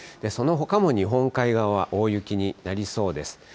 そのほかも日本海側、大雪になりそうです。